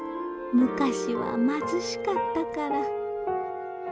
昔は貧しかったから。